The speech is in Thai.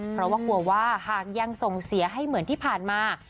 เพราะว่ากลัวว่าหากยังส่งเสียให้เหมือนที่ผ่านมา